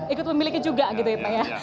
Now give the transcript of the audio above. ikut memiliki juga gitu ya pak ya